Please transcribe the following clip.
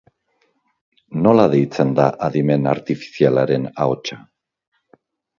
Nola deitzen da adimen artifizialaren ahotsa?